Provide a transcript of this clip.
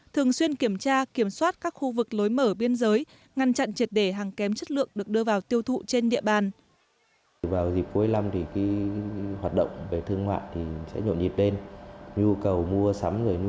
thường xuyên kiểm tra kiểm soát các khu vực lối mở biên giới ngăn chặn triệt đề hàng kém chất lượng được đưa vào tiêu thụ trên địa bàn